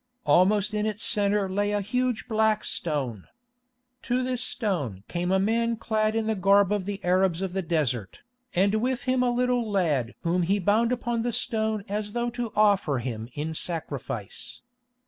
Almost in its centre lay a huge black stone. To this stone came a man clad in the garb of the Arabs of the desert, and with him a little lad whom he bound upon the stone as though to offer him in sacrifice.